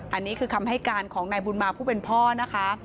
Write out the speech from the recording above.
อันนี้คือคำให้การของนายบุญมาผู้เป็นพ่อนะคะ